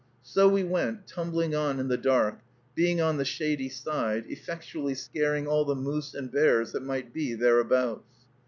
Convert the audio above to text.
So we went tumbling on in the dark, being on the shady side, effectually scaring all the moose and bears that might be thereabouts.